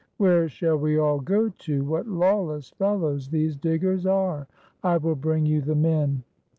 "Where shall we all go to? What lawless fellows these diggers are. I will bring you the men."